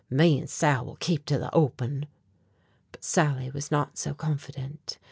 Me an' Sal will keep to the open!" But Sally was not so confident.